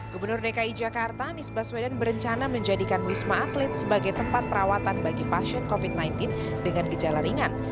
gubernur dki jakarta anies baswedan berencana menjadikan wisma atlet sebagai tempat perawatan bagi pasien covid sembilan belas dengan gejala ringan